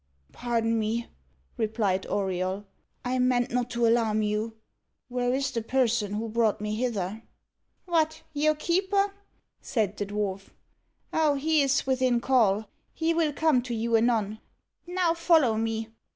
"Pardon me," replied Auriol; "I meant not to alarm you. Where is the person who brought me hither?" "What, your keeper?" said the dwarf. "Oh, he is within call. He will come to you anon. Now follow me."